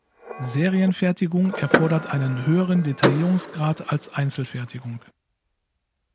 Serienfertigung erfordert einen höheren Detaillierungsgrad als Einzelfertigung.